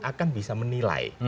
akan bisa menilai